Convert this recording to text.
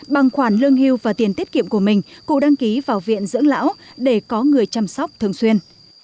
bằng khoản lương hưu và tiền tiết kiệm của mình cụ đăng ký vào viện dưỡng lão để có người chăm sóc thường xuyên